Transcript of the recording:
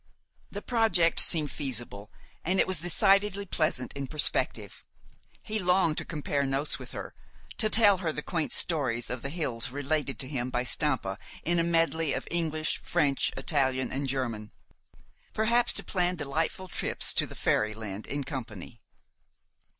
The project seemed feasible, and it was decidedly pleasant in perspective. He longed to compare notes with her, to tell her the quaint stories of the hills related to him by Stampa in a medley of English, French, Italian, and German; perhaps to plan delightful trips to the fairyland in company.